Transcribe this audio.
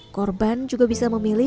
korban juga bisa memilih